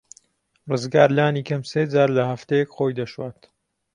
ڕزگار لانی کەم سێ جار لە هەفتەیەک خۆی دەشوات.